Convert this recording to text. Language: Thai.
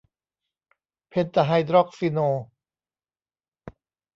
เพนตะไฮดรอกซิโน